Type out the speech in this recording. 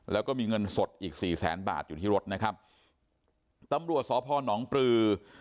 แล้วก็มีเงินสดอีกสี่แสนบาทอยู่ที่รถนะครับตำรวจสพนปลือ